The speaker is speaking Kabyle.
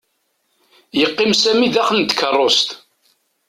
Yeqqim Sami daxel n tkarust.